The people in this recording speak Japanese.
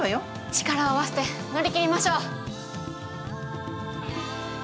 力を合わせて乗り切りましょう！